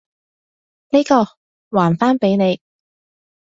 呢個，還返畀你！